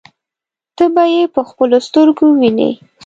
ته به يې په خپلو سترګو ووینې.